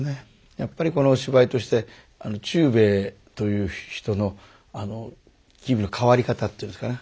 やっぱりこのお芝居として忠兵衛という人のあの機微の変わり方っていうんですかね。